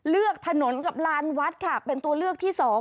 ถนนกับลานวัดค่ะเป็นตัวเลือกที่สอง